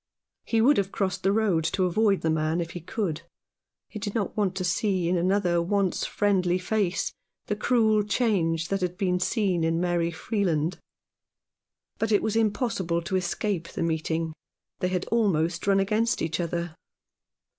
He would have crossed the road to avoid the man if he could. He did not want to see in another once friendly face the cruel change that 199 Rough Justice. he had seen in Mary Freeland. But it was im possible to escape the meeting. They had almost run against each other.